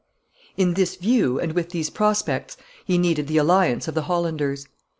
In this view and with these prospects, he needed the alliance of the Hollanders.